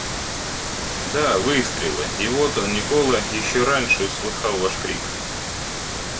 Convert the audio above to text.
Да, выстрелы, и вот он, Никола, еще раньше услыхал ваш крик.